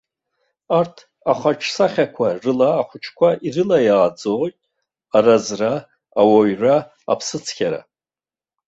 Арҭ ахаҿсахьақәа рыла ахәыҷқәа ирылаиааӡоит аразра, ауаҩра, аԥсыцқьара.